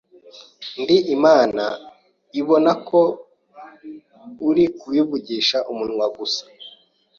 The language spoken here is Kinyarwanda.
ndi Imana ibona ko uri kubivugisha umunwa gusa,